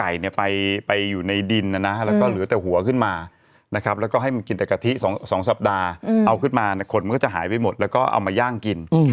๒สัปดาห์เอาขึ้นมาขนมันก็จะหายไปหมดแล้วก็เอามาย่างกิน